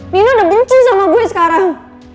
mino udah benci sama gue sekarang